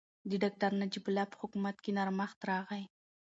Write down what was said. د ډاکټر نجیب الله په حکومت کې نرمښت راغی.